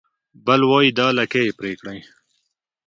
بل وای دا لکۍ يې پرې کړه